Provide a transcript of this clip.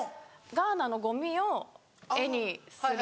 ガーナのゴミを絵にする方の。